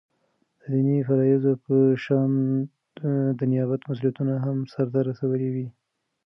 دديني فرائضو په شان دنيابت مسؤليتونه هم سرته رسوي ولي